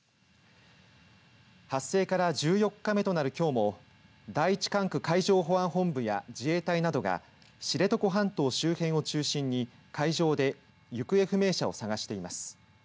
発生から１４日目となるきょうも第１管区海上保安本部や自衛隊などが知床半島周辺を中心に海上で行方不明者を探しています。